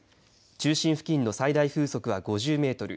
中心付近の最大風速は５０メートル。